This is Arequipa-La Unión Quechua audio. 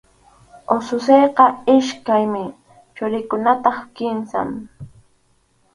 Ususiyqa iskaymi, churiykunataq kimsam.